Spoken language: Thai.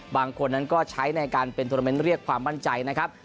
บางคนนั้นก็ใช้ในการเป็นโทรเมนต์เรียกความมั่นใจนะครับ